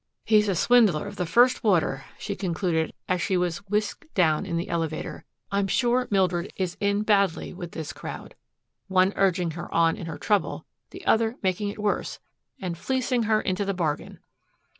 "He's a swindler of the first water," she concluded as she was whisked down in the elevator. "I'm sure Mildred is in badly with this crowd, one urging her on in her trouble, the other making it worse and fleecing her into the bargain."